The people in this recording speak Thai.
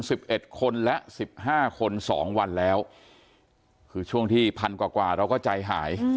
สิบเอ็ดคนและสิบห้าคนสองวันแล้วคือช่วงที่พันกว่ากว่าเราก็ใจหาย